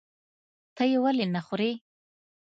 ته یې ولې نخورې؟